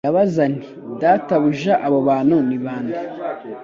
Ndabaza nti Databuja abo bantu ni bande